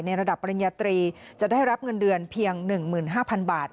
ในระดับปริญญาตรีจะได้รับเงินเดือนเพียงหนึ่งหมื่นห้าพันบาท